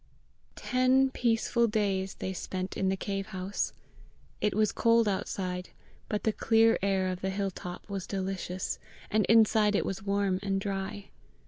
Ten peaceful days they spent in the cave house. It was cold outside, but the clear air of the hill top was delicious, and inside it was warm and dry.